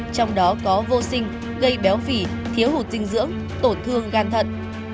trong đó có vô sinh gây béo phì thiếu hụt dinh dưỡng tổn thương gan thận